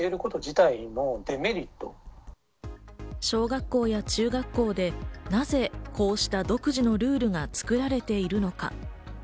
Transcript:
小学校や中学校でなぜこうした独自のルールが作られているのか？